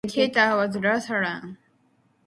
Cater was Lutheran.